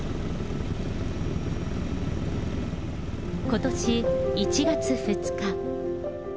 ことし１月２日。